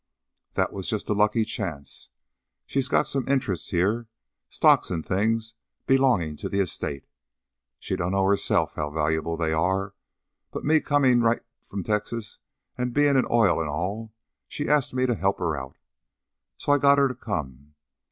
"That was just a lucky chance. She's got some interests here; stocks an' things, belongin' to the es tate. She dunno, herself, how valuable they are, but me comin' right from Texas an' bein' in oil an' all, she ast me to he'p her out. So I got her to come.